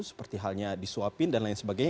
seperti halnya disuapin dan lain sebagainya